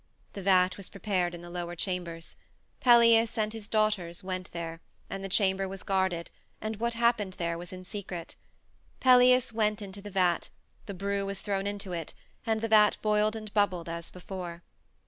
The vat was prepared in the lower chambers; Pelias and his daughters went there, and the chamber was guarded, and what happened there was in secret. Pelias went into the vat; the brew was thrown into it, and the vat boiled and bubbled as before.